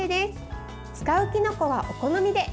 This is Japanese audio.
使うきのこはお好みで。